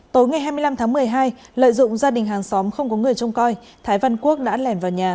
tối ngày hai mươi năm tháng một mươi hai lợi dụng gia đình hàng xóm không có người trông coi thái văn quốc đã lẻn vào nhà